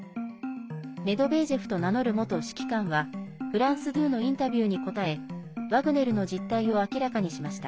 メドベージェフと名乗る元指揮官はフランス２のインタビューに答えワグネルの実態を明らかにしました。